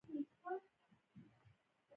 ګرځنده ټلیفون ډیر خلګ کاروي